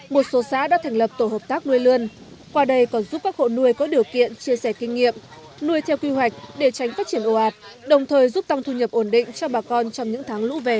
mô hình nuôi lươn ở đây không cần tốn nhiều diện tích có thể thực hiện được mô hình